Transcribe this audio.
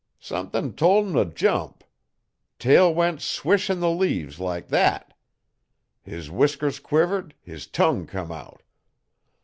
Sumthin' tol' him t' jump. Tail went swish in the leaves like thet. His whiskers quivered, his tongue come out.